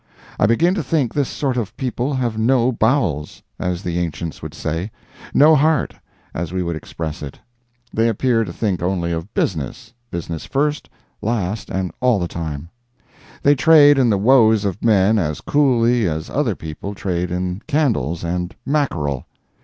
I begin to think this sort of people have no bowels—as the ancients would say—no heart, as we would express it. They appear to think only of business—business first, last, all the time. They trade in the woes of men as coolly as other people trade in candles and mackerel.